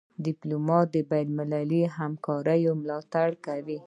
ډيپلومات د بینالمللي همکارۍ ملاتړ کوي.